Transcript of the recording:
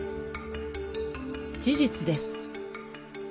事実です。